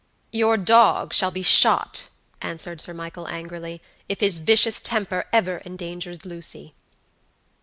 "Your dog shall be shot," answered Sir Michael angrily, "if his vicious temper ever endangers Lucy."